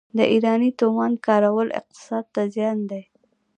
د ایراني تومان کارول اقتصاد ته زیان دی.